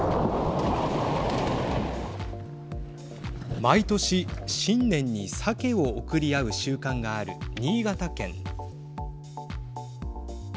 毎年、新年にさけを贈り合う習慣がある新潟県。